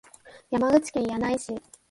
山口県柳井市